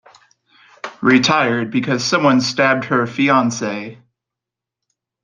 Retired because someone stabbed her fiance.